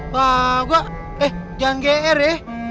wah gue eh jangan gr ya